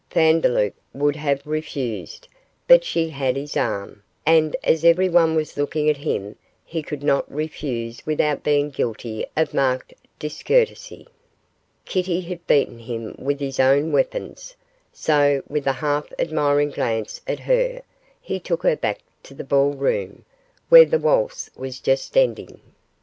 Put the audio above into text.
Vandeloup would have refused, but she had his arm, and as everyone was looking at him, he could not refuse without being guilty of marked discourtesy. Kitty had beaten him with his own weapons, so, with a half admiring glance at her, he took her back to the ball room, where the waltz was just ending.